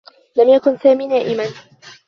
لم يكن سامي نائما.